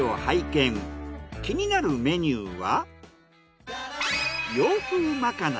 気になるメニューは？